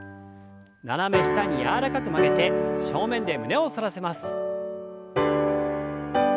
斜め下に柔らかく曲げて正面で胸を反らせます。